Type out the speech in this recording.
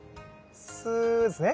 スーですね。